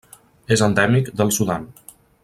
És endèmic del Sudan.